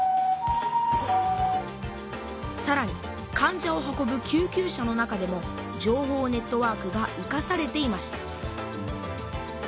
さらに患者を運ぶ救急車の中でも情報ネットワークが生かされていました